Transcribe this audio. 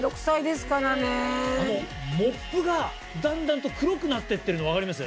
モップがだんだんと黒くなってってるの分かります？